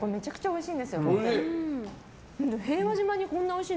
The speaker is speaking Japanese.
おいしい！